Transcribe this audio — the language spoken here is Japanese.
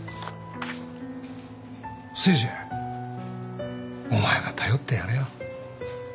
誠治お前が頼ってやれよ。